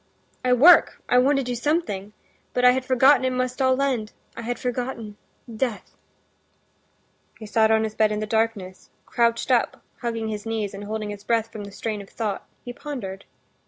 "I work, I want to do something, but I had forgotten it must all end; I had forgotten—death." He sat on his bed in the darkness, crouched up, hugging his knees, and holding his breath from the strain of thought, he pondered.